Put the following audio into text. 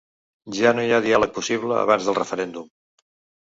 Ja no hi ha diàleg possible abans del referèndum.